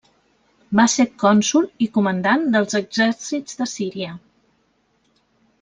Va ser cònsol i comandant dels exèrcits de Síria.